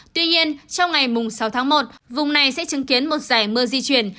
tuy nhiên trong ngày sáu tháng một vùng này sẽ chứng kiến một giải mưa di chuyển